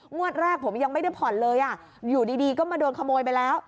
งวดแรกผมยังไม่ได้ผ่อนเลยอยู่ดีก็มาโดนขโมยไปแล้ว